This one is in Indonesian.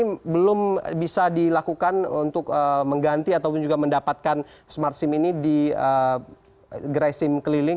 ini belum bisa dilakukan untuk mengganti ataupun juga mendapatkan smart sim ini di gerai sim keliling